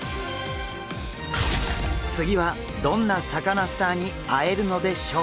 次はどんなサカナスターに会えるのでしょうか？